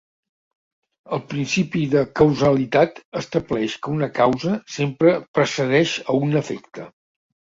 El Principi de causalitat estableix que una causa sempre precedeix a un efecte.